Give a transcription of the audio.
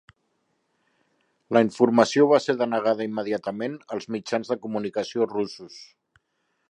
La informació va ser denegada immediatament als mitjans de comunicació russos.